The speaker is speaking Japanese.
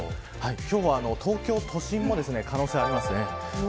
今日は東京都心も可能性があります。